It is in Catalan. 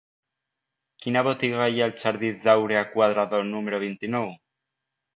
Quina botiga hi ha al jardí d'Áurea Cuadrado número vint-i-nou?